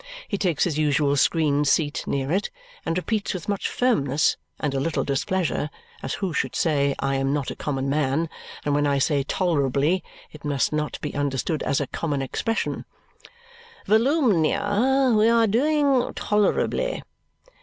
He takes his usual screened seat near it and repeats with much firmness and a little displeasure, as who should say, I am not a common man, and when I say tolerably, it must not be understood as a common expression, "Volumnia, we are doing tolerably."